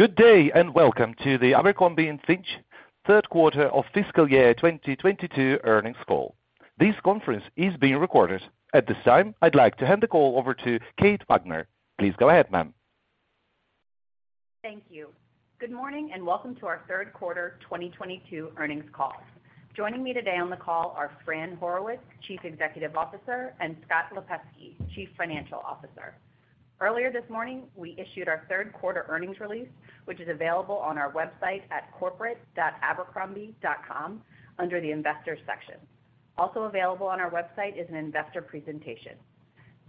Good day, welcome to the Abercrombie & Fitch Third Quarter of Fiscal Year 2022 Earnings Call. This conference is being recorded. At this time, I'd like to hand the call over to Kate Wagner. Please go ahead, ma'am. Thank you. Good morning, welcome to our Third Quarter 2022 Earnings Call. Joining me today on the call are Fran Horowitz, Chief Executive Officer, and Scott Lipesky, Chief Financial Officer. Earlier this morning, we issued our third quarter earnings release, which is available on our website at corporate.abercrombie.com under the Investors section. Also available on our website is an investor presentation.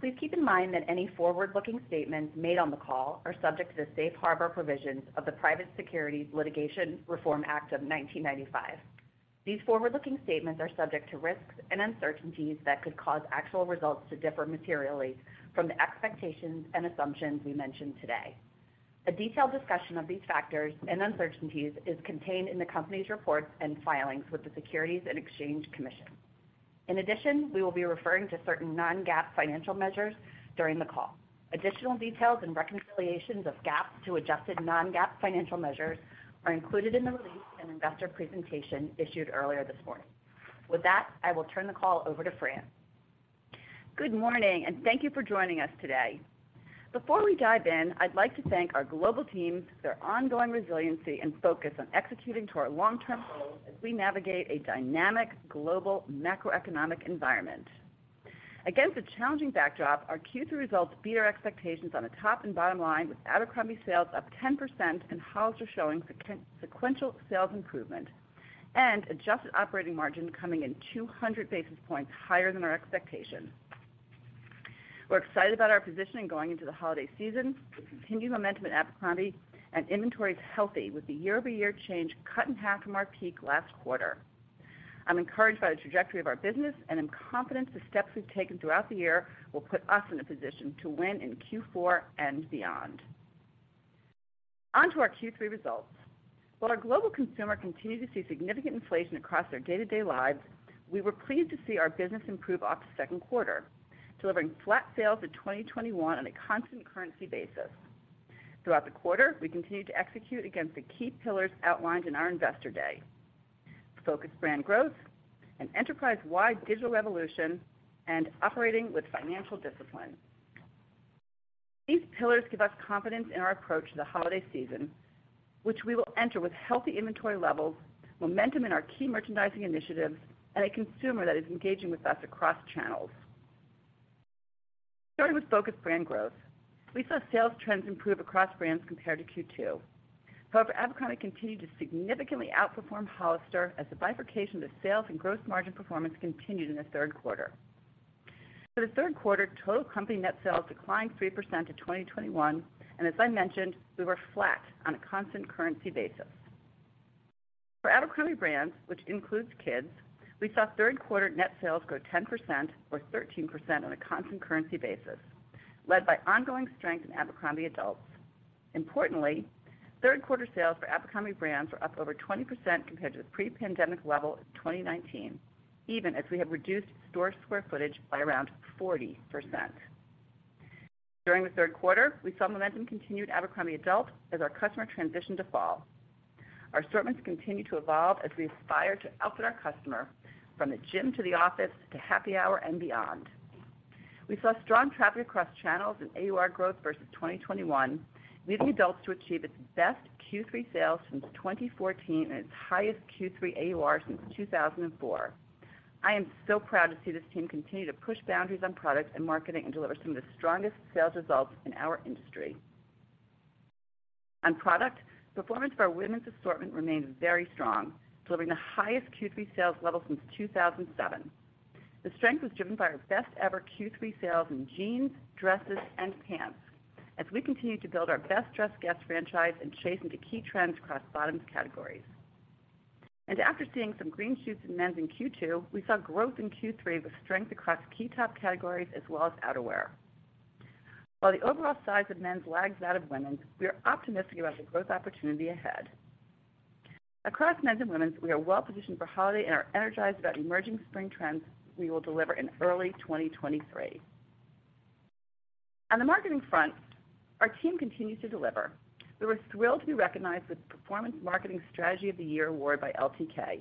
Please keep in mind that any forward-looking statements made on the call are subject to the safe harbor provisions of the Private Securities Litigation Reform Act of 1995. These forward-looking statements are subject to risks and uncertainties that could cause actual results to differ materially from the expectations and assumptions we mention today. A detailed discussion of these factors and uncertainties is contained in the company's reports and filings with the Securities and Exchange Commission. In addition, we will be referring to certain non-GAAP financial measures during the call. Additional details and reconciliations of GAAP to adjusted non-GAAP financial measures are included in the release and investor presentation issued earlier this morning. With that, I will turn the call over to Fran. Good morning, and thank you for joining us today. Before we dive in, I'd like to thank our global teams for their ongoing resiliency and focus on executing to our long-term goals as we navigate a dynamic global macroeconomic environment. Against a challenging backdrop, our Q3 results beat our expectations on the top and bottom line with Abercrombie sales up 10% and Hollister showing sequential sales improvement and adjusted operating margin coming in 200 basis points higher than our expectation. We're excited about our positioning going into the holiday season with continued momentum at Abercrombie and inventory is healthy with the year-over-year change cut in half from our peak last quarter. I'm encouraged by the trajectory of our business and am confident the steps we've taken throughout the year will put us in a position to win in Q4 and beyond. On to our Q3 results. While our global consumer continued to see significant inflation across their day-to-day lives, we were pleased to see our business improve off the second quarter, delivering flat sales in 2021 on a constant currency basis. Throughout the quarter, we continued to execute against the key pillars outlined in our Investor Day: focused brand growth, an enterprise-wide digital revolution, and operating with financial discipline. These pillars give us confidence in our approach to the holiday season, which we will enter with healthy inventory levels, momentum in our key merchandising initiatives, and a consumer that is engaging with us across channels. Starting with focused brand growth, we saw sales trends improve across brands compared to Q2. However, Abercrombie continued to significantly outperform Hollister as the bifurcation of sales and gross margin performance continued in the third quarter. For the third quarter, total company net sales declined 3% to 2021. As I mentioned, we were flat on a constant currency basis. For Abercrombie brands, which includes kids, we saw third quarter net sales grow 10% or 13% on a constant currency basis, led by ongoing strength in Abercrombie adults. Importantly, third quarter sales for Abercrombie brands were up over 20% compared to the pre-pandemic level of 2019, even as we have reduced store square footage by around 40%. During the third quarter, we saw momentum continue at Abercrombie adult as our customer transitioned to fall. Our assortments continue to evolve as we aspire to outfit our customer from the gym to the office to happy hour and beyond. We saw strong traffic across channels and AUR growth versus 2021, leading Adults to achieve its best Q3 sales since 2014 and its highest Q3 AUR since 2004. I am so proud to see this team continue to push boundaries on products and marketing and deliver some of the strongest sales results in our industry. On product, performance for our women's assortment remains very strong, delivering the highest Q3 sales level since 2007. The strength was driven by our best ever Q3 sales in jeans, dresses, and pants as we continue to build our best-dressed guest franchise and chase into key trends across bottoms categories. After seeing some green shoots in men's in Q2, we saw growth in Q3 with strength across key top categories as well as outerwear. While the overall size of men's lags that of women's, we are optimistic about the growth opportunity ahead. Across men's and women's, we are well positioned for holiday and are energized about emerging spring trends we will deliver in early 2023. On the marketing front, our team continues to deliver. We were thrilled to be recognized with Performance Marketing Strategy of the Year award by LTK,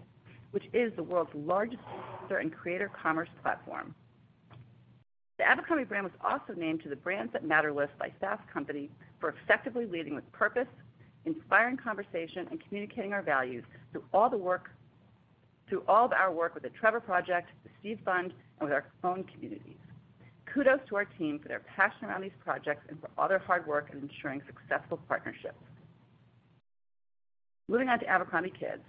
which is the world's largest influencer and creator commerce platform. The Abercrombie brand was also named to the Brands That Matter list by Fast Company for effectively leading with purpose, inspiring conversation, and communicating our values through all of our work with The Trevor Project, The Steve Fund, and with our own communities. Kudos to our team for their passion around these projects and for all their hard work in ensuring successful partnerships. Moving on to abercrombie kids.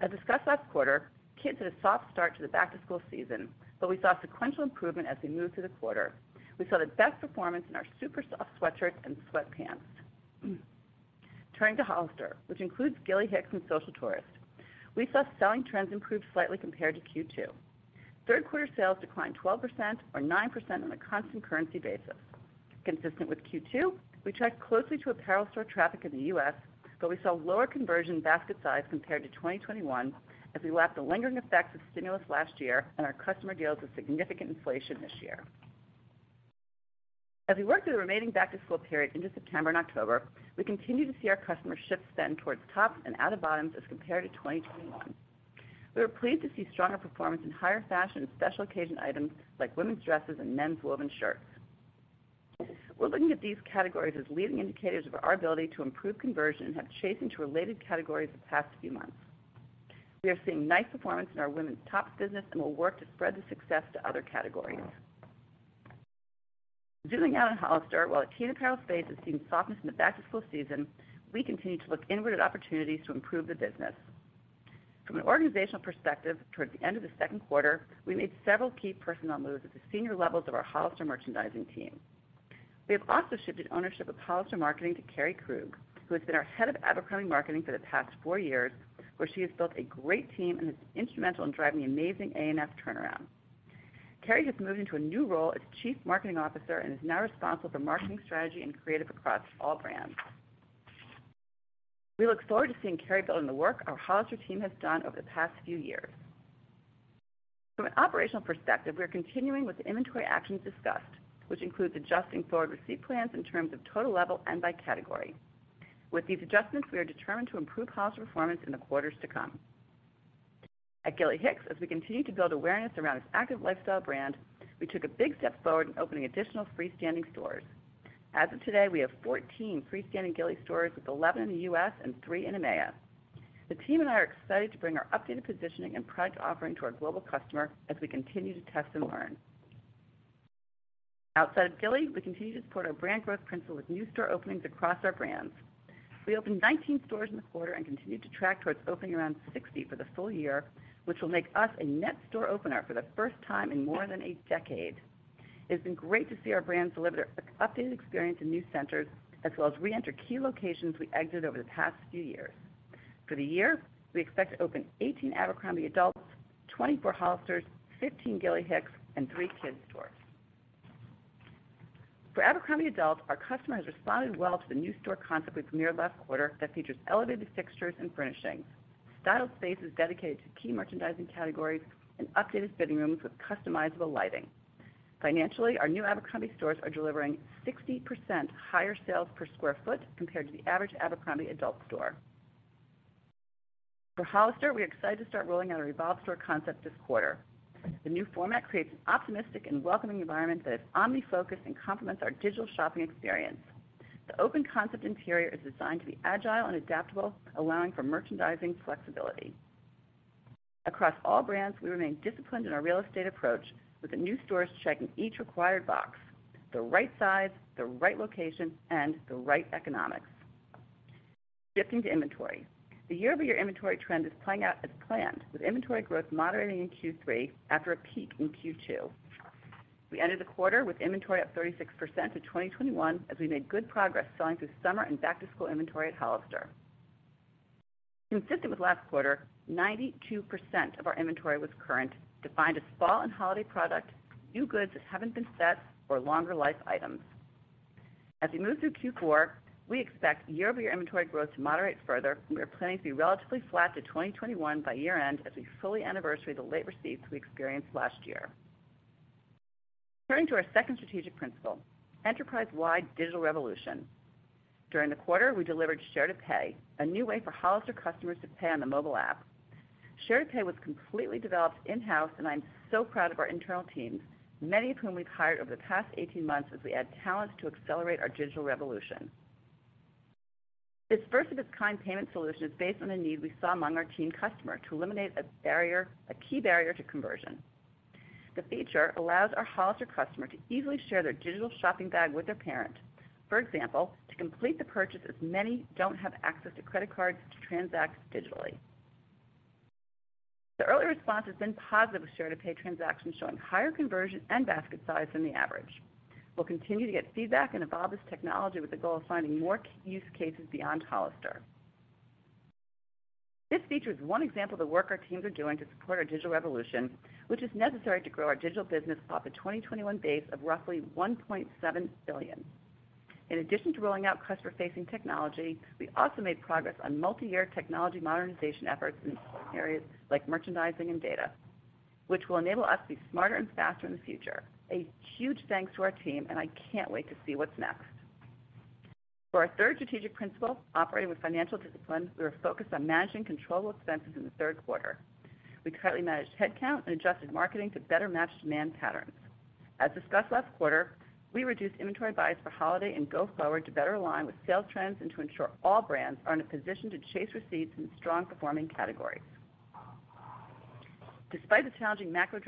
As discussed last quarter, Kids had a soft start to the back-to-school season, but we saw sequential improvement as we moved through the quarter. We saw the best performance in our super soft sweatshirts and sweatpants. Turning to Hollister, which includes Gilly Hicks and Social Tourist. We saw selling trends improve slightly compared to Q2. Third quarter sales declined 12% or 9% on a constant currency basis. Consistent with Q2, we tracked closely to apparel store traffic in the U.S., but we saw lower conversion basket size compared to 2021 as we lapped the lingering effects of stimulus last year and our customer deals with significant inflation this year. As we work through the remaining back-to-school period into September and October, we continue to see our customer shift spend towards tops and out of bottoms as compared to 2021. We were pleased to see stronger performance in higher fashion and special occasion items like women's dresses and men's woven shirts. We're looking at these categories as leading indicators of our ability to improve conversion and have chase into related categories the past few months. We are seeing nice performance in our women's tops business and will work to spread the success to other categories. Zooming out on Hollister, while the teen apparel space has seen softness in the back-to-school season, we continue to look inward at opportunities to improve the business. From an organizational perspective, towards the end of the second quarter, we made several key personnel moves at the senior levels of our Hollister merchandising team. We have also shifted ownership of Hollister marketing to Carey Krug, who has been our head of Abercrombie marketing for the past four years, where she has built a great team and is instrumental in driving the amazing ANF turnaround. Carey has moved into a new role as Chief Marketing Officer and is now responsible for marketing strategy and creative across all brands. We look forward to seeing Carey building the work our Hollister team has done over the past few years. From an operational perspective, we are continuing with the inventory actions discussed, which includes adjusting forward receipt plans in terms of total level and by category. With these adjustments, we are determined to improve Hollister performance in the quarters to come. At Gilly Hicks, as we continue to build awareness around this active lifestyle brand, we took a big step forward in opening additional freestanding stores. As of today, we have 14 freestanding Gilly stores, with 11 in the U.S. and three in EMEA. The team and I are excited to bring our updated positioning and product offering to our global customer as we continue to test and learn. Outside of Gilly, we continue to support our brand growth principle with new store openings across our brands. We opened 19 stores in the quarter and continued to track towards opening around 60 for the full year, which will make us a net store opener for the first time in more than a decade. It's been great to see our brands deliver updated experience in new centers, as well as re-enter key locations we exited over the past few years. For the year, we expect to open 18 Abercrombie Adults, 24 Hollisters, 15 Gilly Hicks and three kids stores. For Abercrombie adult, our customer has responded well to the new store concept we premiered last quarter that features elevated fixtures and furnishings, styled spaces dedicated to key merchandising categories, and updated fitting rooms with customizable lighting. Financially, our new Abercrombie stores are delivering 60% higher sales per sq ft compared to the average Abercrombie adult store. For Hollister, we are excited to start rolling out a revolved store concept this quarter. The new format creates an optimistic and welcoming environment that is omni-focused and complements our digital shopping experience. The open concept interior is designed to be agile and adaptable, allowing for merchandising flexibility. Across all brands, we remain disciplined in our real estate approach, with the new stores checking each required box: the right size, the right location, and the right economics. Shifting to inventory. The year-over-year inventory trend is playing out as planned, with inventory growth moderating in Q3 after a peak in Q2. We ended the quarter with inventory up 36% to 2021, as we made good progress selling through summer and back-to-school inventory at Hollister. Consistent with last quarter, 92% of our inventory was current, defined as fall and holiday product, new goods that haven't been set or longer life items. As we move through Q4, we expect year-over-year inventory growth to moderate further, and we are planning to be relatively flat to 2021 by year-end as we fully anniversary the late receipts we experienced last year. Turning to our second strategic principle, enterprise-wide digital revolution. During the quarter, we delivered Share2Pay, a new way for Hollister customers to pay on the mobile app. Share2Pay was completely developed in-house, and I'm so proud of our internal teams, many of whom we've hired over the past 18 months as we add talent to accelerate our digital revolution. This first-of-its-kind payment solution is based on a need we saw among our teen customer to eliminate a key barrier to conversion. The feature allows our Hollister customer to easily share their digital shopping bag with their parent. For example, to complete the purchase, as many don't have access to credit cards to transact digitally. The early response has been positive, with Share2Pay transactions showing higher conversion and basket size than the average. We'll continue to get feedback and evolve this technology with the goal of finding more use cases beyond Hollister. This feature is one example of the work our teams are doing to support our digital revolution, which is necessary to grow our digital business off a 2021 base of roughly $1.7 billion. In addition to rolling out customer-facing technology, we also made progress on multi-year technology modernization efforts in areas like merchandising and data, which will enable us to be smarter and faster in the future. A huge thanks to our team. I can't wait to see what's next. For our third strategic principle, operating with financial discipline, we are focused on managing controllable expenses in the third quarter. We tightly managed headcount and adjusted marketing to better match demand patterns. As discussed last quarter, we reduced inventory buys for holiday and go forward to better align with sales trends and to ensure all brands are in a position to chase receipts in strong performing categories. Despite the challenging macro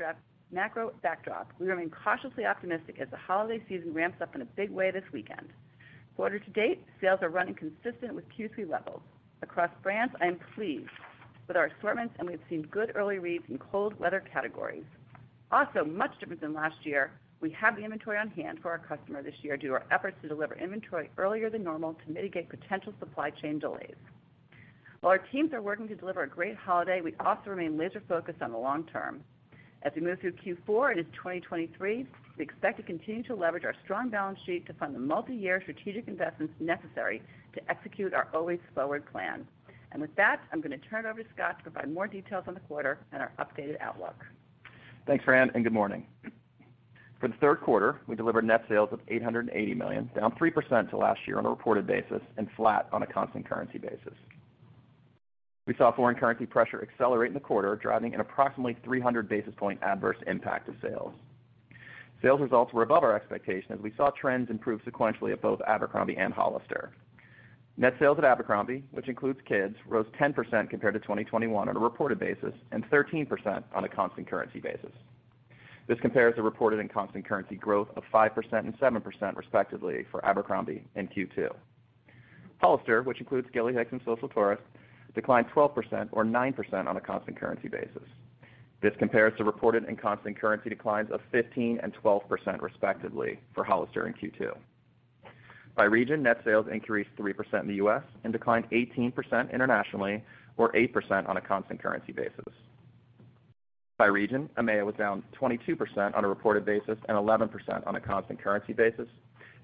backdrop, we remain cautiously optimistic as the holiday season ramps up in a big way this weekend. Quarter-to-date, sales are running consistent with Q3 levels. Across brands, I am pleased with our assortments, and we've seen good early reads in cold weather categories. Much different than last year, we have the inventory on hand for our customer this year due to our efforts to deliver inventory earlier than normal to mitigate potential supply chain delays. While our teams are working to deliver a great holiday, we also remain laser-focused on the long-term. As we move through Q4 into 2023, we expect to continue to leverage our strong balance sheet to fund the multi-year strategic investments necessary to execute our Always Forward Plan. With that, I'm going to turn it over to Scott to provide more details on the quarter and our updated outlook. Thanks, Fran, and good morning. For the third quarter, we delivered net sales of $880 million, down 3% to last year on a reported basis and flat on a constant currency basis. We saw foreign currency pressure accelerate in the quarter, driving an approximately 300 basis point adverse impact to sales. Sales results were above our expectations. We saw trends improve sequentially at both Abercrombie and Hollister. Net sales at Abercrombie, which includes kids, rose 10% compared to 2021 on a reported basis and 13% on a constant currency basis. This compares to reported and constant currency growth of 5% and 7%, respectively, for Abercrombie in Q2. Hollister, which includes Gilly Hicks and Social Tourist, declined 12% or 9% on a constant currency basis. This compares to reported and constant currency declines of 15% and 12%, respectively, for Hollister in Q2. By region, net sales increased 3% in the U.S. and declined 18% internationally or 8% on a constant currency basis. By region, EMEA was down 22% on a reported basis and 11% on a constant currency basis.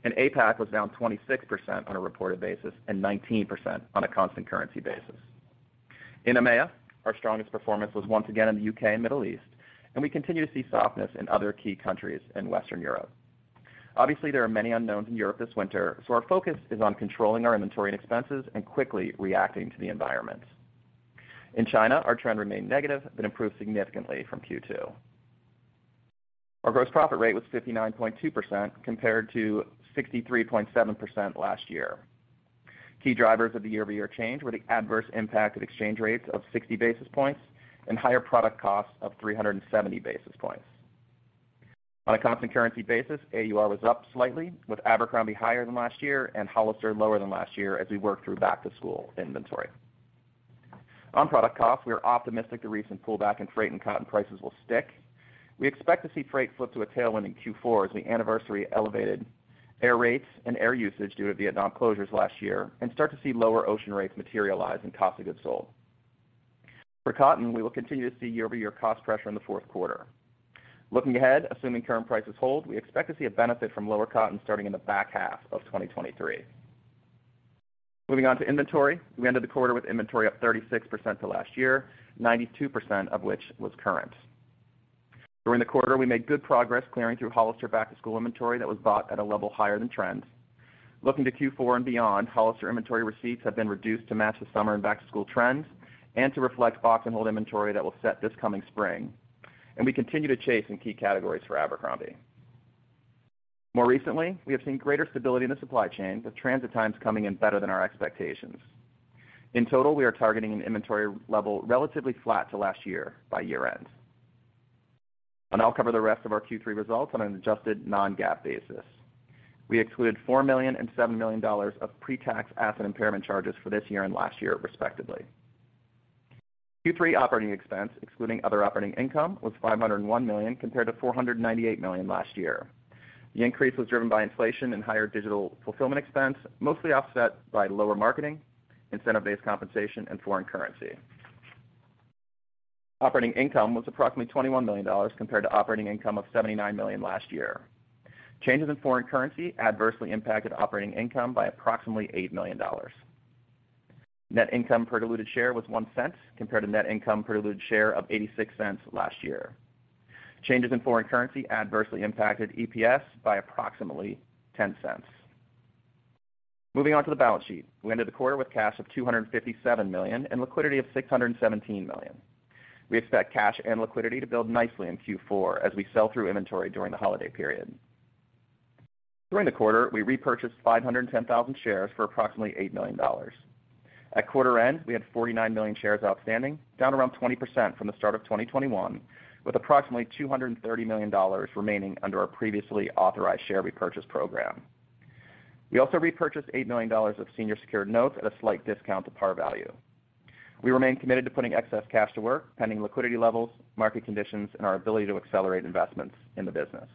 APAC was down 26% on a reported basis and 19% on a constant currency basis. In EMEA, our strongest performance was once again in the U.K. and Middle East, and we continue to see softness in other key countries in Western Europe. Obviously, there are many unknowns in Europe this winter. Our focus is on controlling our inventory and expenses and quickly reacting to the environment. In China, our trend remained negative but improved significantly from Q2. Our gross profit rate was 59.2% compared to 63.7% last year. Key drivers of the year-over-year change were the adverse impact of exchange rates of 60 basis points and higher product costs of 370 basis points. On a constant currency basis, AUR was up slightly, with Abercrombie higher than last year and Hollister lower than last year as we worked through back-to-school inventory. On product costs, we are optimistic the recent pullback in freight and cotton prices will stick. We expect to see freight flip to a tailwind in Q4 as we anniversary elevated air rates and air usage due to Vietnam closures last year and start to see lower ocean rates materialize in cost of goods sold. For cotton, we will continue to see year-over-year cost pressure in the fourth quarter. Looking ahead, assuming current prices hold, we expect to see a benefit from lower cotton starting in the back half of 2023. Moving on to inventory. We ended the quarter with inventory up 36% to last year, 92% of which was current. During the quarter, we made good progress clearing through Hollister back-to-school inventory that was bought at a level higher than trend. Looking to Q4 and beyond, Hollister inventory receipts have been reduced to match the summer and back-to-school trends and to reflect box and hold inventory that will set this coming spring. We continue to chase in key categories for Abercrombie. More recently, we have seen greater stability in the supply chain, with transit times coming in better than our expectations. In total, we are targeting an inventory level relatively flat to last year by year-end. I'll cover the rest of our Q3 results on an adjusted non-GAAP basis. We excluded $4 million and $7 million of pre-tax asset impairment charges for this year and last year, respectively. Q3 operating expense, excluding other operating income, was $501 million compared to $498 million last year. The increase was driven by inflation and higher digital fulfillment expense, mostly offset by lower marketing, incentive-based compensation, and foreign currency. Operating income was approximately $21 million compared to operating income of $79 million last year. Changes in foreign currency adversely impacted operating income by approximately $8 million. Net income per diluted share was $0.01 compared to net income per diluted share of $0.86 last year. Changes in foreign currency adversely impacted EPS by approximately $0.10. Moving on to the balance sheet. We ended the quarter with cash of $257 million and liquidity of $617 million. We expect cash and liquidity to build nicely in Q4 as we sell through inventory during the holiday period. During the quarter, we repurchased 510,000 shares for approximately $8 million. At quarter end, we had 49 million shares outstanding, down around 20% from the start of 2021, with approximately $230 million remaining under our previously authorized share repurchase program. We also repurchased $8 million of senior secured notes at a slight discount to par value. We remain committed to putting excess cash to work, pending liquidity levels, market conditions, and our ability to accelerate investments in the business.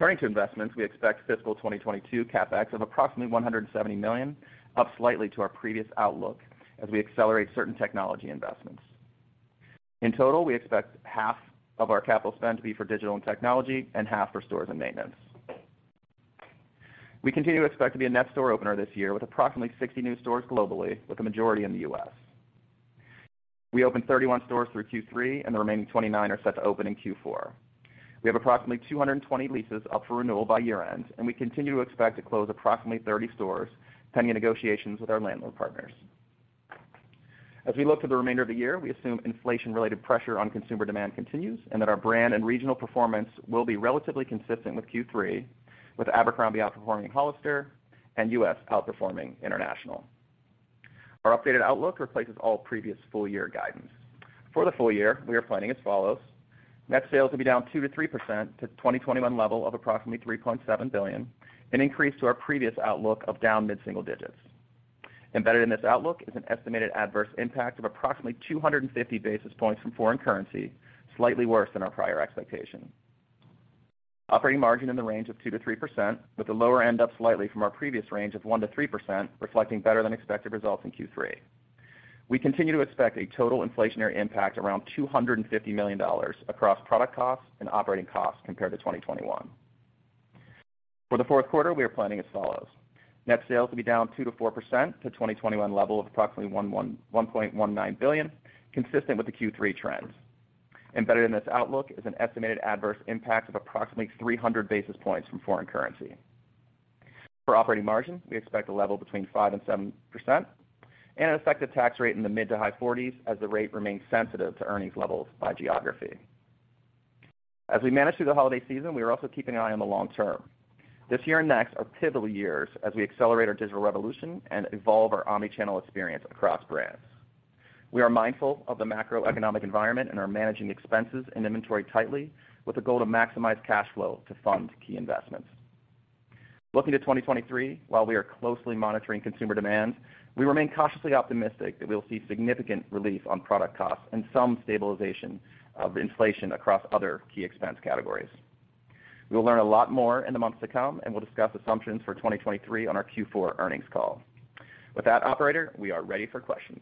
Turning to investments, we expect fiscal 2022 CapEx of approximately $170 million, up slightly to our previous outlook as we accelerate certain technology investments. In total, we expect half of our capital spend to be for digital and technology and half for stores and maintenance. We continue to expect to be a net store opener this year with approximately 60 new stores globally, with the majority in the U.S. We opened 31 stores through Q3, and the remaining 29 are set to open in Q4. We have approximately 220 leases up for renewal by year-end, and we continue to expect to close approximately 30 stores pending negotiations with our landlord partners. As we look to the remainder of the year, we assume inflation-related pressure on consumer demand continues and that our brand and regional performance will be relatively consistent with Q3, with Abercrombie outperforming Hollister and U.S. outperforming international. Our updated outlook replaces all previous full year guidance. For the full year, we are planning as follows: Net sales will be down 2%-3% to 2021 level of approximately $3.7 billion, an increase to our previous outlook of down mid-single digits. Embedded in this outlook is an estimated adverse impact of approximately 250 basis points from foreign currency, slightly worse than our prior expectation. Operating margin in the range of 2%-3%, with the lower end up slightly from our previous range of 1%-3%, reflecting better than expected results in Q3. We continue to expect a total inflationary impact around $250 million across product costs and operating costs compared to 2021. For the fourth quarter, we are planning as follows. Net sales will be down 2%-4% to 2021 level of approximately $1.19 billion, consistent with the Q3 trends. Embedded in this outlook is an estimated adverse impact of approximately 300 basis points from foreign currency. For operating margin, we expect a level between 5% and 7% and an effective tax rate in the mid to high 40s as the rate remains sensitive to earnings levels by geography. As we manage through the holiday season, we are also keeping an eye on the long term. This year and next are pivotal years as we accelerate our digital revolution and evolve our omni-channel experience across brands. We are mindful of the macroeconomic environment and are managing expenses and inventory tightly with a goal to maximize cash flow to fund key investments. Looking to 2023, while we are closely monitoring consumer demand, we remain cautiously optimistic that we'll see significant relief on product costs and some stabilization of inflation across other key expense categories. We will learn a lot more in the months to come, and we'll discuss assumptions for 2023 on our Q4 earnings call. With that, operator, we are ready for questions.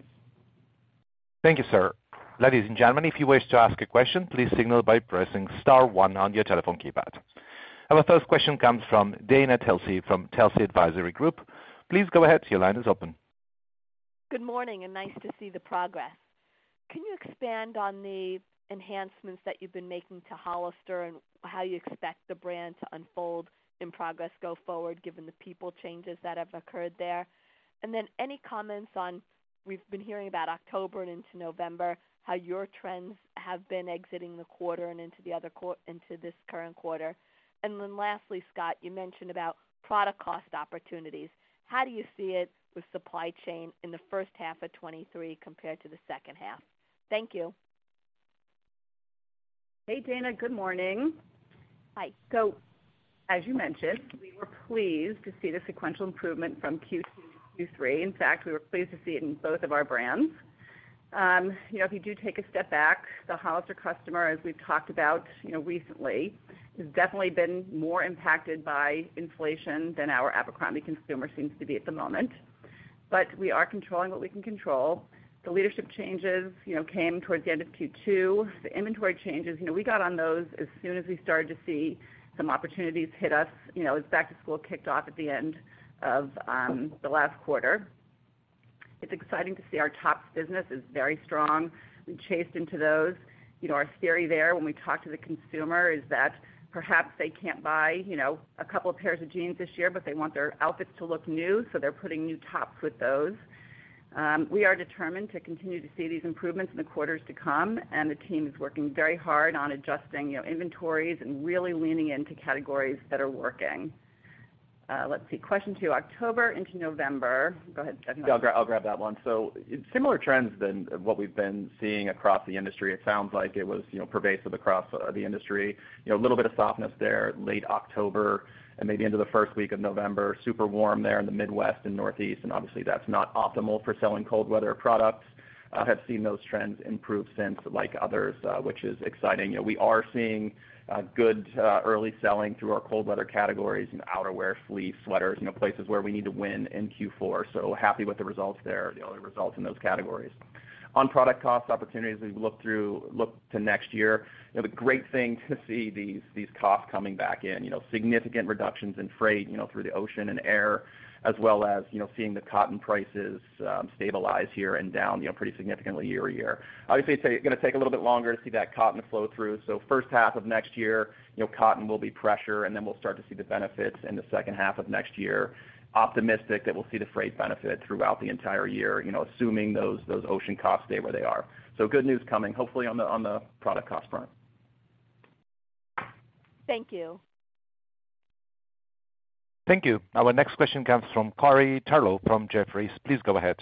Thank you, sir. Ladies and gentlemen, if you wish to ask a question, please signal by pressing star one on your telephone keypad. Our first question comes from Dana Telsey from Telsey Advisory Group. Please go ahead. Your line is open. Good morning. Nice to see the progress. Can you expand on the enhancements that you've been making to Hollister and how you expect the brand to unfold in progress go forward, given the people changes that have occurred there? Any comments on we've been hearing about October and into November, how your trends have been exiting the quarter and into this current quarter. Lastly, Scott, you mentioned about product cost opportunities. How do you see it with supply chain in the first half of 2023 compared to the second half? Thank you. Hey, Dana. Good morning. Hi. As you mentioned, we were pleased to see the sequential improvement from Q2 to Q3. In fact, we were pleased to see it in both of our brands. You know, if you do take a step back, the Hollister customer, as we've talked about, you know, recently, has definitely been more impacted by inflation than our Abercrombie consumer seems to be at the moment. But we are controlling what we can control. The leadership changes, you know, came towards the end of Q2. The inventory changes, you know, we got on those as soon as we started to see some opportunities hit us, you know, as back to school kicked off at the end of the last quarter. It's exciting to see our tops business is very strong. We chased into those. You know, our theory there when we talk to the consumer is that perhaps they can't buy, you know, a couple of pairs of jeans this year, but they want their outfits to look new, so they're putting new tops with those. We are determined to continue to see these improvements in the quarters to come. The team is working very hard on adjusting, you know, inventories and really leaning into categories that are working. Let's see. Question two, October into November. Go ahead, Scott. Yeah, I'll grab that one. Similar trends than what we've been seeing across the industry. It sounds like it was, you know, pervasive across the industry. A little bit of softness there late October and maybe into the first week of November. Super warm there in the Midwest and Northeast, and obviously, that's not optimal for selling cold weather products. Have seen those trends improve since, like others, which is exciting. We are seeing good early selling through our cold weather categories and outerwear, fleece, sweaters, you know, places where we need to win in Q4. Happy with the results there, the early results in those categories. On product cost opportunities, as we look to next year, you know, the great thing to see these costs coming back in, you know, significant reductions in freight, you know, through the ocean and air, as well as, you know, seeing the cotton prices stabilize here and down, you know, pretty significantly year-over-year. Obviously, it's gonna take a little bit longer to see that cotton flow through. First half of next year, you know, cotton will be pressure, and then we'll start to see the benefits in the second half of next year. Optimistic that we'll see the freight benefit throughout the entire year, you know, assuming those ocean costs stay where they are. Good news coming, hopefully on the, on the product cost front. Thank you. Thank you. Our next question comes from Corey Tarlowe from Jefferies. Please go ahead.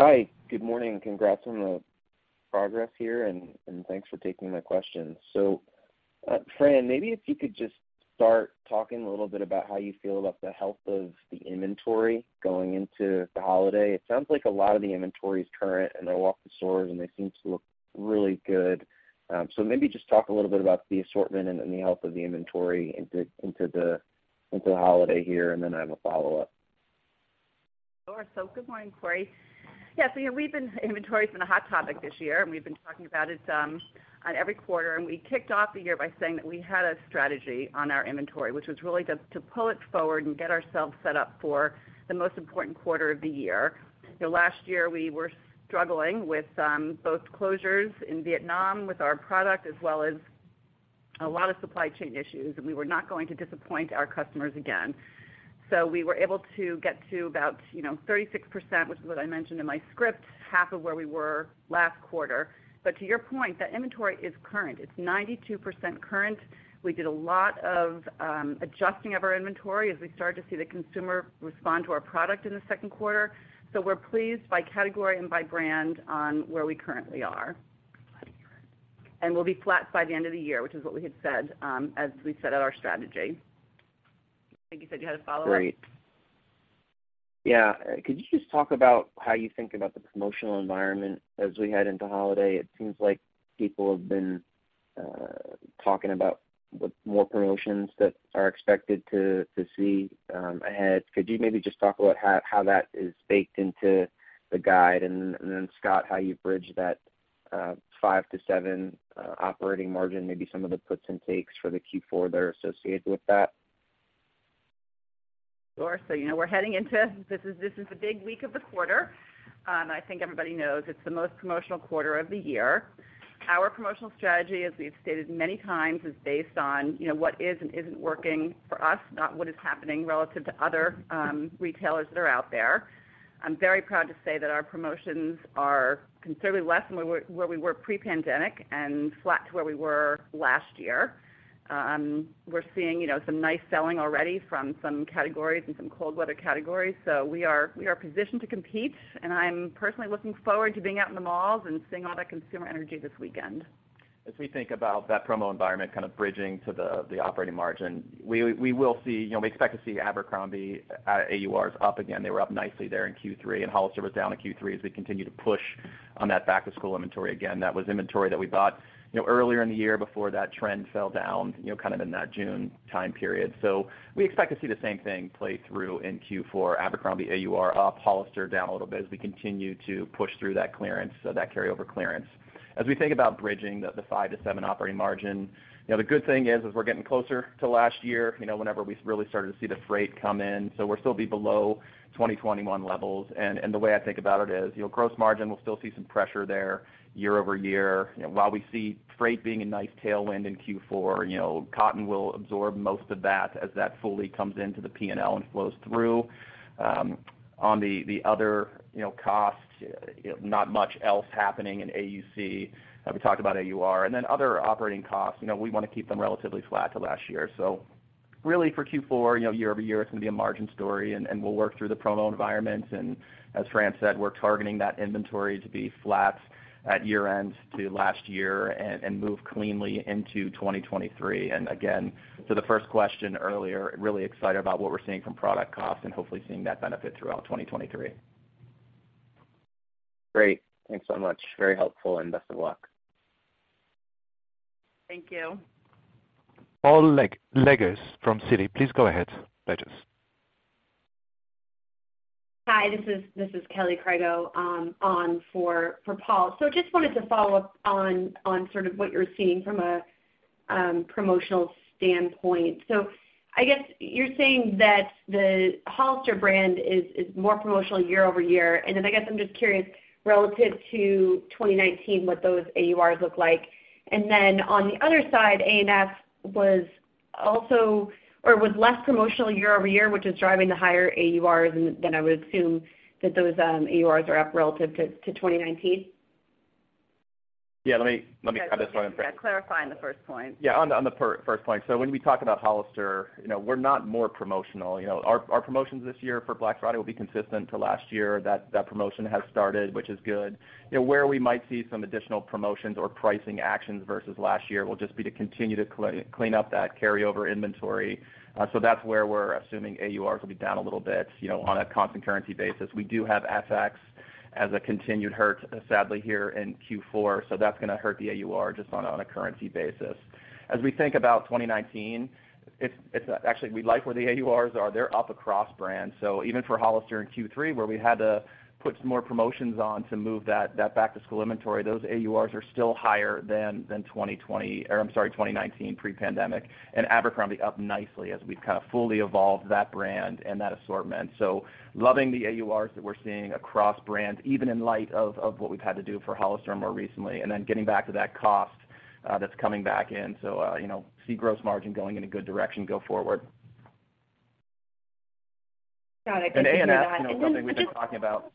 Hi. Good morning. Congrats on the progress here, and thanks for taking my questions. Fran, maybe if you could just start talking a little bit about how you feel about the health of the inventory going into the holiday. It sounds like a lot of the inventory is current, and I walk the stores, and they seem to look really good. Maybe just talk a little bit about the assortment and the health of the inventory into the holiday here, and then I have a follow-up. Good morning, Corey. You know, inventory's been a hot topic this year, and we've been talking about it on every quarter. We kicked off the year by saying that we had a strategy on our inventory, which was really to pull it forward and get ourselves set up for the most important quarter of the year. You know, last year, we were struggling with both closures in Vietnam with our product, as well as a lot of supply chain issues, and we were not going to disappoint our customers again. We were able to get to about, you know, 36%, which is what I mentioned in my script, half of where we were last quarter. To your point, that inventory is current. It's 92% current. We did a lot of adjusting of our inventory as we started to see the consumer respond to our product in the second quarter. We're pleased by category and by brand on where we currently are. We'll be flat by the end of the year, which is what we had said as we set out our strategy. I think you said you had a follow-up. Great. Yeah. Could you just talk about how you think about the promotional environment as we head into holiday? It seems like people have been talking about more promotions that are expected to see ahead. Could you maybe just talk about how that is baked into the guide? Scott, how you bridge that 5%-7% operating margin, maybe some of the puts and takes for the Q4 that are associated with that? Sure. You know, we're heading into. This is the big week of the quarter. I think everybody knows it's the most promotional quarter of the year. Our promotional strategy, as we've stated many times, is based on, you know, what is and isn't working for us, not what is happening relative to other retailers that are out there. I'm very proud to say that our promotions are considerably less than where we were pre-pandemic and flat to where we were last year. We're seeing, you know, some nice selling already from some categories and some cold weather categories. We are positioned to compete, and I'm personally looking forward to being out in the malls and seeing all that consumer energy this weekend. As we think about that promo environment kind of bridging to the operating margin, we will see. You know, we expect to see Abercrombie AURs up again. They were up nicely there in Q3. Hollister was down in Q3 as we continue to push on that back-to-school inventory. That was inventory that we bought, you know, earlier in the year before that trend fell down, you know, kind of in that June time period. We expect to see the same thing play through in Q4, Abercrombie AUR up, Hollister down a little bit as we continue to push through that carryover clearance. As we think about bridging the 5%-7% operating margin, you know, the good thing is we're getting closer to last year, you know, whenever we really started to see the freight come in, so we're still be below 2021 levels. The way I think about it is, you know, gross margin will still see some pressure there year-over-year. You know, while we see freight being a nice tailwind in Q4, you know, cotton will absorb most of that as that fully comes into the P&L and flows through. On the other, you know, costs, you know, not much else happening in AUC, we talked about AUR. Other operating costs, you know, we wanna keep them relatively flat to last year. Really for Q4, you know, year-over-year, it's gonna be a margin story, and we'll work through the promo environment. As Fran said, we're targeting that inventory to be flat at year-end to last year and move cleanly into 2023. Again, to the first question earlier, really excited about what we're seeing from product costs and hopefully seeing that benefit throughout 2023. Great. Thanks so much. Very helpful and best of luck. Thank you. Paul Lejuez from Citi, please go ahead. Lejuez. Hi, this is Kelly Crago, on for Paul. Just wanted to follow up on sort of what you're seeing from a promotional standpoint. I guess you're saying that the Hollister brand is more promotional year-over-year. I guess I'm just curious relative to 2019 what those AURs look like. On the other side, ANF was less promotional year-over-year, which is driving the higher AURs. I would assume that those AURs are up relative to 2019. Yeah, let me try this one. Clarifying the first point. Yeah, on the first point. When we talk about Hollister, you know, we're not more promotional. You know, our promotions this year for Black Friday will be consistent to last year. That promotion has started, which is good. You know, where we might see some additional promotions or pricing actions versus last year will just be to continue to clean up that carryover inventory. That's where we're assuming AURs will be down a little bit, you know, on a constant currency basis. We do have FX as a continued hurt, sadly, here in Q4. That's gonna hurt the AUR just on a currency basis. As we think about 2019, it's. Actually, we like where the AURs are. They're up across brands. Even for Hollister in Q3, where we had to put some more promotions on to move that back-to-school inventory, those AURs are still higher than or I'm sorry, 2019 pre-pandemic. Abercrombie up nicely as we've kind of fully evolved that brand and that assortment. Loving the AURs that we're seeing across brands, even in light of what we've had to do for Hollister more recently. Then getting back to that cost that's coming back in. You know, see gross margin going in a good direction go forward. Got it. ANF, you know, something we've been talking about. Yeah.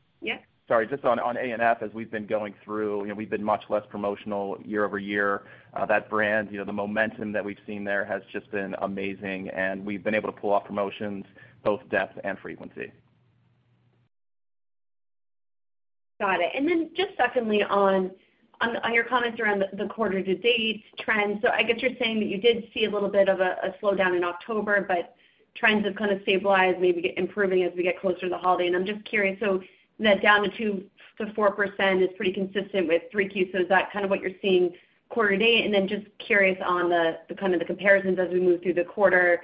Sorry, just on ANF, as we've been going through, you know, we've been much less promotional year-over-year. That brand, you know, the momentum that we've seen there has just been amazing, and we've been able to pull off promotions, both depth and frequency. Got it. Just secondly on your comments around the quarter-to-date trends. I guess you're saying that you did see a little bit of a slowdown in October, but trends have kind of stabilized, maybe get improving as we get closer to the holiday. I'm just curious, that down to 2%-4% is pretty consistent with 3Q. Is that kind of what you're seeing quarter to date? Then just curious on the kind of the comparisons as we move through the quarter.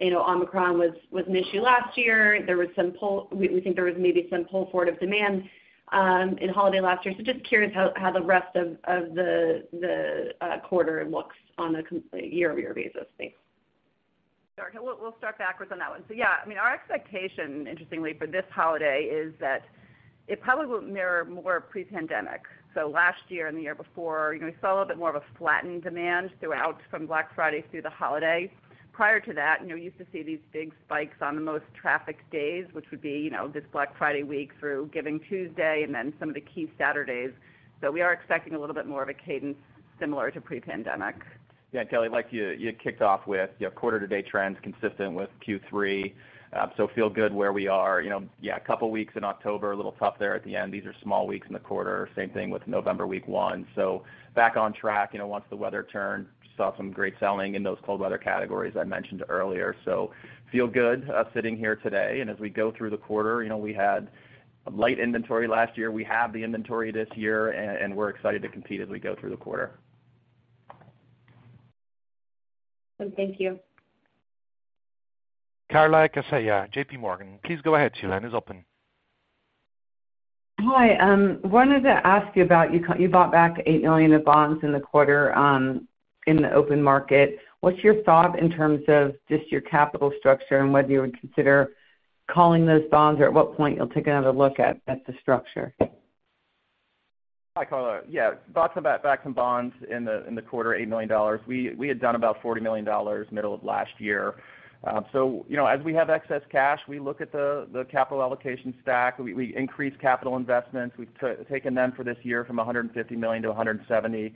You know, Omicron was an issue last year. There was some pull. We think there was maybe some pull forward of demand in holiday last year. Just curious how the rest of the quarter looks on a year-over-year basis. Thanks. Sure. We'll start backwards on that one. Yeah, I mean, our expectation, interestingly, for this holiday is that it probably will mirror more pre-pandemic. Last year and the year before, you know, we saw a little bit more of a flattened demand throughout from Black Friday through the holiday. Prior to that, you know, you used to see these big spikes on the most trafficked days, which would be, you know, this Black Friday week through Giving Tuesday and then some of the key Saturdays. We are expecting a little bit more of a cadence similar to pre-pandemic. Yeah. Kelly, like you kicked off with, you know, quarter to date trends consistent with Q3. Feel good where we are. You know, yeah, a couple weeks in October, a little tough there at the end. These are small weeks in the quarter. Same thing with November week one. Back on track. You know, once the weather turned, saw some great selling in those cold weather categories I mentioned earlier. Feel good sitting here today. As we go through the quarter, you know, we had light inventory last year. We have the inventory this year, and we're excited to compete as we go through the quarter. Thank you. Carla Casella, JPMorgan, please go ahead, your line is open. Hi. wanted to ask you about you bought back $8 million of bonds in the quarter in the open market. What's your thought in terms of just your capital structure and whether you would consider calling those bonds, or at what point you'll take another look at the structure? Hi, Carla. Bought back some bonds in the quarter, $80 million. We had done about $40 million middle of last year. You know, as we have excess cash, we look at the capital allocation stack. We increased capital investments. We've taken them for this year from $150 million to $170 million.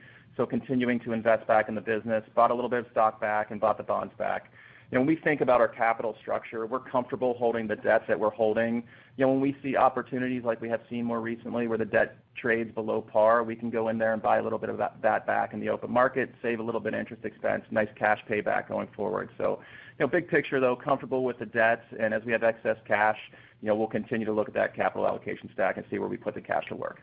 Continuing to invest back in the business. Bought a little bit of stock back and bought the bonds back. When we think about our capital structure, we're comfortable holding the debts that we're holding. You know, when we see opportunities like we have seen more recently, where the debt trades below par, we can go in there and buy a little bit of that back in the open market, save a little bit of interest expense, nice cash payback going forward. You know, big picture, though, comfortable with the debts, and as we have excess cash, you know, we'll continue to look at that capital allocation stack and see where we put the cash to work.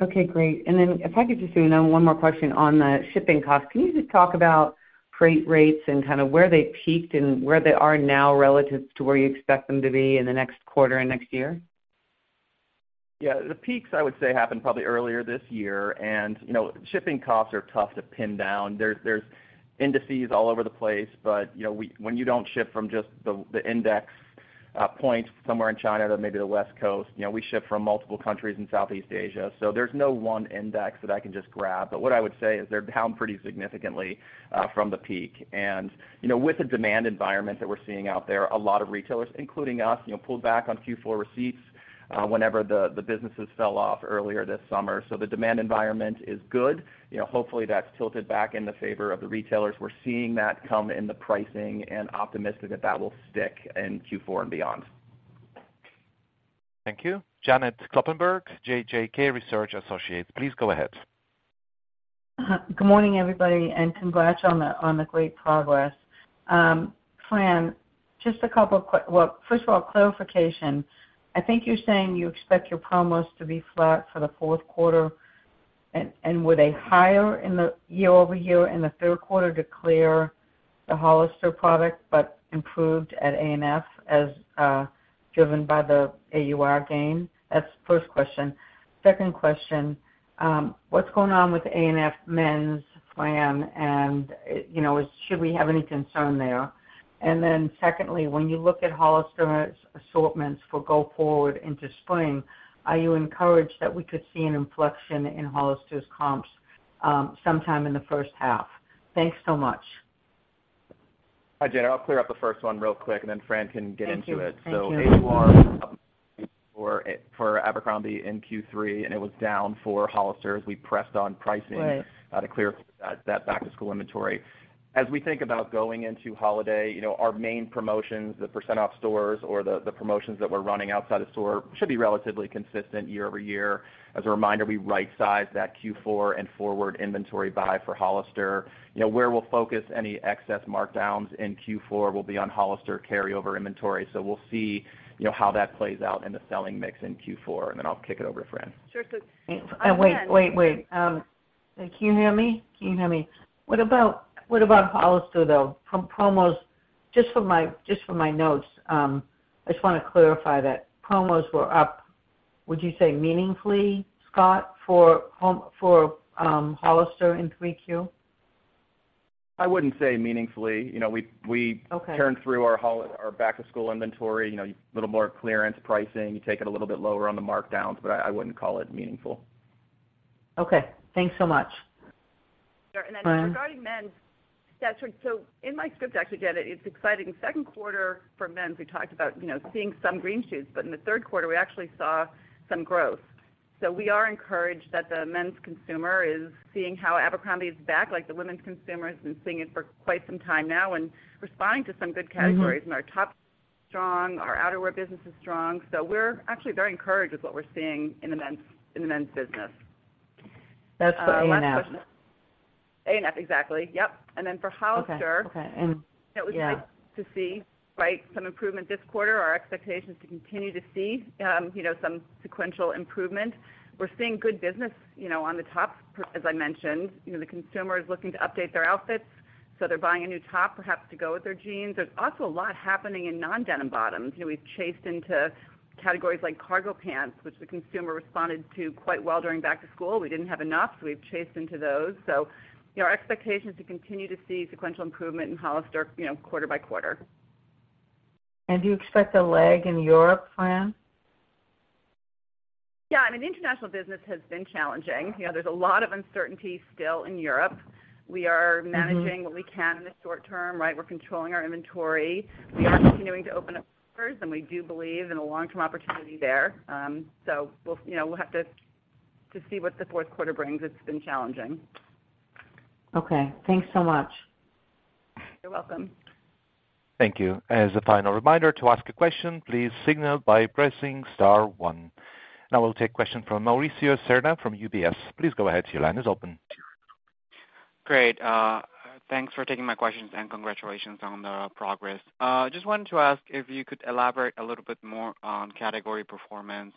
Okay, great. If I could just do one more question on the shipping costs. Can you just talk about freight rates and kind of where they peaked and where they are now relative to where you expect them to be in the next quarter and next year? Yeah. The peaks, I would say, happened probably earlier this year. You know, shipping costs are tough to pin down. There's indices all over the place, but, you know, when you don't ship from just the index point somewhere in China to maybe the West Coast, you know, we ship from multiple countries in Southeast Asia, so there's no one index that I can just grab. What I would say is they're down pretty significantly from the peak. You know, with the demand environment that we're seeing out there, a lot of retailers, including us, you know, pulled back on Q4 receipts whenever the businesses fell off earlier this summer. The demand environment is good. You know, hopefully, that's tilted back in the favor of the retailers. We're seeing that come in the pricing and optimistic that that will stick in Q4 and beyond. Thank you. Janet Kloppenburg, JJK Research Associates. Please go ahead. Good morning, everybody, congrats on the great progress. Fran, just a couple question. Well, first of all, clarification. I think you're saying you expect your promos to be flat for the fourth quarter and with a higher year-over-year in the third quarter to clear the Hollister product but improved at ANF as driven by the AUR gain. That's the first question. Second question. What's going on with ANF Men's plan? You know, should we have any concern there? Secondly, when you look at Hollister's assortments for go forward into spring, are you encouraged that we could see an inflection in Hollister's comps sometime in the first half? Thanks so much. Hi, Janet. I'll clear up the first one real quick, and then Fran can get into it. Thank you. Thank you. AUR for Abercrombie in Q3, and it was down for Hollister as we pressed on pricing. Right. To clear that back to school inventory. As we think about going into holiday, you know, our main promotions, the percent off stores or the promotions that we're running outside of store should be relatively consistent year-over-year. As a reminder, we right-sized that Q4 and forward inventory buy for Hollister. You know, where we'll focus any excess markdowns in Q4 will be on Hollister carryover inventory. We'll see, you know, how that plays out in the selling mix in Q4, and then I'll kick it over to Fran. Sure. Good. Wait, wait. Can you hear me? Can you hear me? What about, what about Hollister, though? Promos, just from my notes, I just wanna clarify that promos were up, would you say meaningfully, Scott, for Hollister in 3Q? I wouldn't say meaningfully. You know. Okay. Turned through our back to school inventory, you know, little more clearance pricing. You take it a little bit lower on the markdowns, but I wouldn't call it meaningful. Okay. Thanks so much. Fran. Sure. Regarding men's, yeah, so in my script, actually, Janet, it's exciting. Second quarter for men's, we talked about, you know, seeing some green shoots, but in the third quarter, we actually saw some growth. We are encouraged that the men's consumer is seeing how Abercrombie is back, like the women's consumer has been seeing it for quite some time now and responding to some good categories. Our top is strong. Our outerwear business is strong. We're actually very encouraged with what we're seeing in the men's business. That's for ANF. ANF, exactly. Yep. For Hollister. Okay. Okay. Yeah. It was nice to see, right, some improvement this quarter. Our expectation is to continue to see, you know, some sequential improvement. We're seeing good business, you know, on the top, as I mentioned. You know, the consumer is looking to update their outfits, so they're buying a new top perhaps to go with their jeans. There's also a lot happening in non-denim bottoms. You know, we've chased into categories like cargo pants, which the consumer responded to quite well during back to school. We didn't have enough, so we've chased into those. You know, our expectation is to continue to see sequential improvement in Hollister, you know, quarter by quarter. Do you expect a lag in Europe, Fran? Yeah. I mean, the international business has been challenging. You know, there's a lot of uncertainty still in Europe. We are managing what we can in the short term, right? We're controlling our inventory. We are continuing to open up stores, and we do believe in a long-term opportunity there. We'll, you know, we'll have to see what the fourth quarter brings. It's been challenging. Okay. Thanks so much. You're welcome. Thank you. As a final reminder, to ask a question, please signal by pressing star one. Now we'll take question from Mauricio Serna from UBS. Please go ahead, your line is open. Great. Thanks for taking my questions and congratulations on the progress. Just wanted to ask if you could elaborate a little bit more on category performance.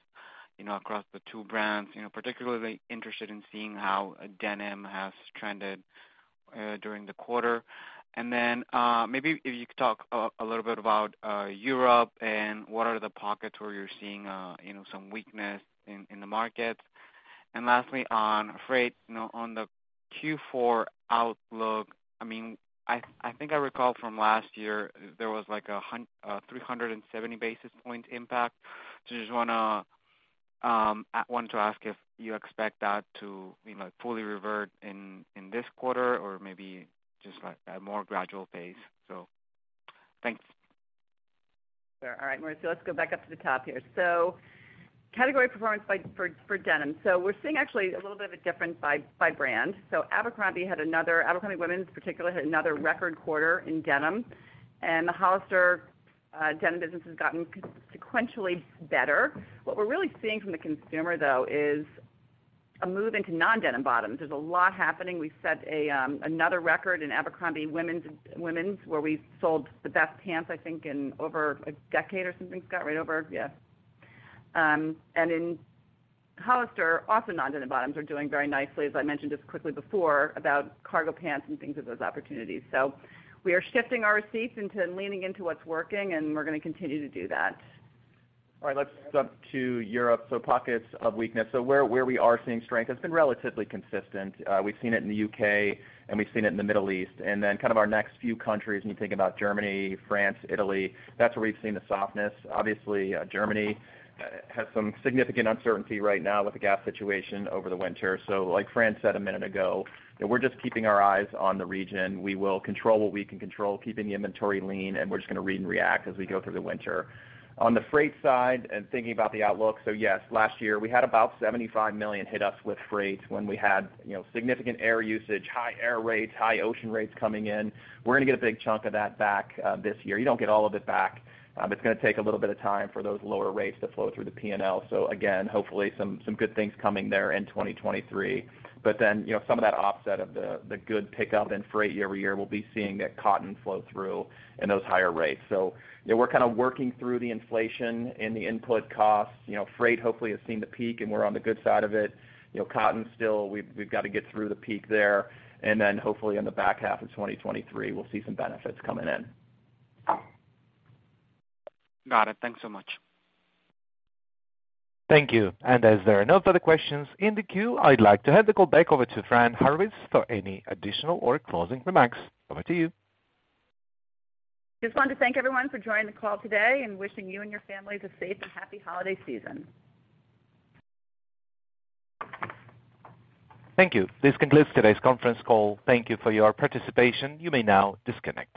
You know, across the two brands, you know, particularly interested in seeing how denim has trended during the quarter. Then maybe if you could talk a little bit about Europe and what are the pockets where you're seeing, you know, some weakness in the markets. Lastly, on freight, you know, on the Q4 outlook, I mean, I think I recall from last year there was like a 370 basis point impact. Just wanted to ask if you expect that to, you know, fully revert in this quarter or maybe just like a more gradual pace. Thanks. Sure. All right, Mauricio, let's go back up to the top here. category performance for denim. We're seeing actually a little bit of a difference by brand. Abercrombie Women's particularly had another record quarter in denim, and the Hollister denim business has gotten sequentially better. What we're really seeing from the consumer though is a move into non-denim bottoms. There's a lot happening. We set another record in Abercrombie Women's where we sold the best pants, I think, in over a decade or something, Scott, right over. Yeah. And in Hollister, also non-denim bottoms are doing very nicely, as I mentioned just quickly before about cargo pants and things of those opportunities. We are shifting our seats into leaning into what's working, and we're gonna continue to do that. All right, let's go up to Europe. Pockets of weakness. Where we are seeing strength, it's been relatively consistent. We've seen it in the UK, and we've seen it in the Middle East. Kind of our next few countries, when you think about Germany, France, Italy, that's where we've seen the softness. Obviously, Germany has some significant uncertainty right now with the gas situation over the winter. Like Fran said a minute ago, you know, we're just keeping our eyes on the region. We will control what we can control, keeping the inventory lean, and we're just gonna read and react as we go through the winter. On the freight side and thinking about the outlook, yes, last year we had about $75 million hit us with freight when we had, you know, significant air usage, high air rates, high ocean rates coming in. We're gonna get a big chunk of that back this year. You don't get all of it back. It's gonna take a little bit of time for those lower rates to flow through the P&L. Again, hopefully some good things coming there in 2023. You know, some of that offset of the good pickup in freight year-over-year, we'll be seeing that cotton flow through and those higher rates. You know, we're kinda working through the inflation and the input costs. You know, freight hopefully has seen the peak, and we're on the good side of it. You know, cotton still, we've gotta get through the peak there. Then hopefully in the back half of 2023, we'll see some benefits coming in. Got it. Thanks so much. Thank you. As there are no further questions in the queue, I'd like to hand the call back over to Fran Horowitz for any additional or closing remarks. Over to you. Just wanted to thank everyone for joining the call today and wishing you and your families a safe and happy holiday season. Thank you. This concludes today's conference call. Thank you for your participation. You may now disconnect.